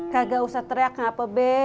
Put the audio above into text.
kagak usah teriak ngapa be